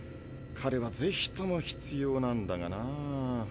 彼はぜひとも必要なんだがなぁ。